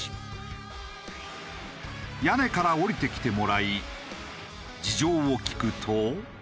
屋根から下りてきてもらい事情を聴くと。